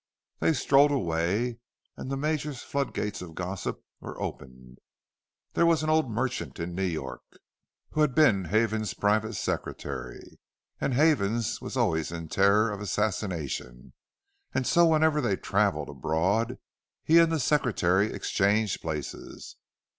They strolled away; and the Major's flood gates of gossip were opened. There was an old merchant in New York, who had been Havens's private secretary. And Havens was always in terror of assassination, and so whenever they travelled abroad he and the secretary exchanged places.